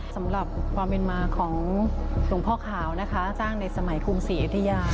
สำหรับความเป็นมาของหลวงพ่อขาวนะคะสร้างในสมัยกรุงศรีอยุธยา